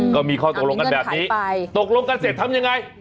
ก็มีข้อตกลงกันแบบนี้ตกลงกันเสร็จทำยังไง